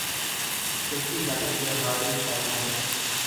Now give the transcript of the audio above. সে কি জানে যে হার্ডিন তার ভাই?